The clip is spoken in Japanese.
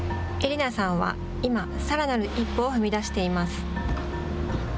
英理菜さんは、今さらなる一歩を踏み出しています。